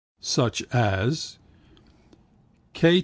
Such as? K.